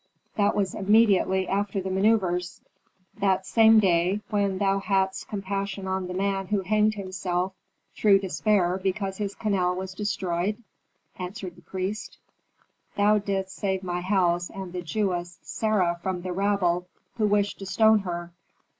That was immediately after the manœuvres " "That same day, when thou hadst compassion on the man who hanged himself through despair because his canal was destroyed," answered the priest. "Thou didst save my house and the Jewess Sarah from the rabble who wished to stone her."